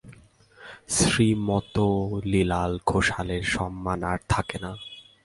শ্রীমোতিলাল ঘোষাল-এর সম্মান আর থাকে না।